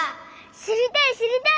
しりたいしりたい！